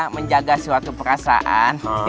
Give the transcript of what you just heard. menjaga suatu perasaan